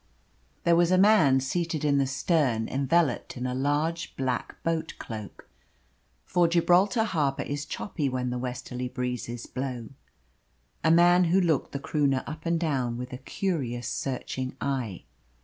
There was a man seated in the stern enveloped in a large black boat cloak for Gibraltar harbour is choppy when the westerly breezes blow a man who looked the Croonah up and down with a curious searching eye.